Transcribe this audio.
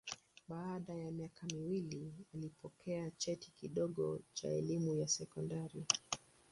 Baada ya miaka miwili alipokea cheti kidogo cha elimu ya sekondari.